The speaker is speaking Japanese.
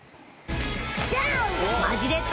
ジャンプ！